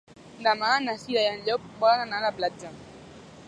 Demà na Cira i en Llop volen anar a la platja.